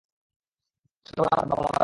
ছোটোবেলায় আমার বাবা মারা যায়।